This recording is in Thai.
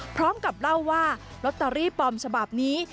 พร้อมกับเล่าว่าลอตเตอรี่ปลอมฉบับนี้